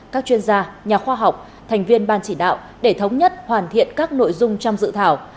các chuyên gia nhà khoa học thành viên ban chỉ đạo để thống nhất hoàn thiện các nội dung trong dự thảo